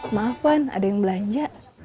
maaf wan ada yang belanja